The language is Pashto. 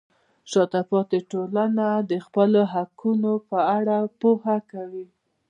شاته پاتې ټولنه د خپلو حقونو په اړه پوهه کوي.